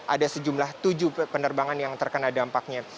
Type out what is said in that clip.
ada sejumlah tujuh penerbangan yang terkena dampaknya